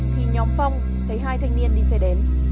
thì nhóm phong thấy hai thanh niên đi xe đến